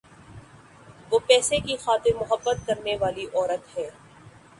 وہ پیسے کی خاطر مُحبت کرنے والی عورت ہے۔`